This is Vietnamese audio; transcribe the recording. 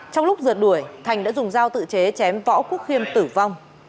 trong lúc rượt đuổi thành đã dùng dao tự chế chém võ quốc khiêm tử vong